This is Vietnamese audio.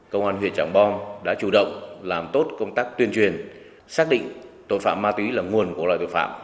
công an huyện trảng bom đã chủ động làm tốt công tác tuyên truyền xác định tội phạm ma túy là nguồn của loại tội phạm